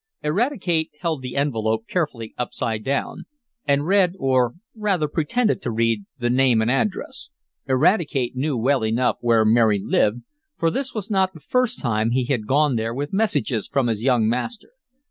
Eradicate held the envelope carefully upside down, and read or rather pretended to read the name and address. Eradicate knew well enough where Mary lived, for this was not the first time he had gone there with messages from his young master.